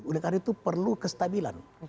oleh karena itu perlu kestabilan